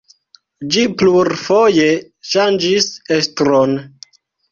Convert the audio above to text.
Ĝi plurfoje ŝanĝis estron.